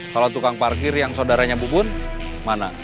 kalau tukang parkir yang saudaranya bubun mana